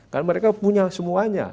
karena mereka punya semuanya